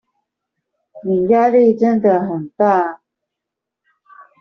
你壓力真的很大